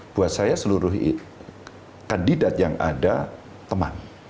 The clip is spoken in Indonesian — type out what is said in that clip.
buat saya seluruh kandidat yang ada teman